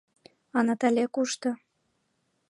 А Натале кушто?